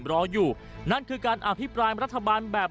รออยู่นั่นคือการอภิปรายรัฐบาลแบบ